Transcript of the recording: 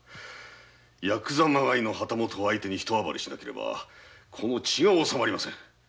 やくざまがいの旗本を相手にひと暴れしなければこの血がおさまりませぬ。